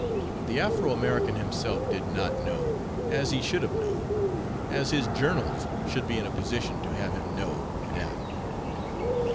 The Afro American himself did not know as he should have known as his journals should be in a position to have him know and act.